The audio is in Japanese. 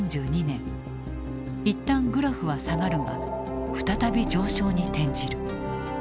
一旦グラフは下がるが再び上昇に転じる。